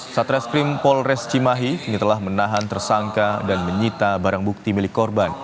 satreskrim polres cimahi kini telah menahan tersangka dan menyita barang bukti milik korban